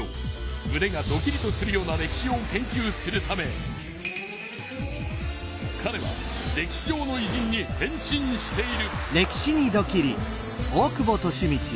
むねがドキリとするような歴史を研究するためかれは歴史上のいじんに変身している。